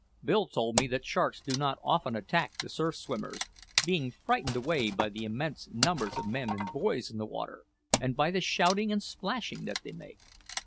Bill told me that sharks do not often attack the surf swimmers, being frightened away by the immense numbers of men and boys in the water, and by the shouting and splashing that they make.